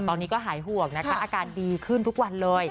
ตอนนี้ก็หายห่วงนะคะอาการดีขึ้นทุกวันเลย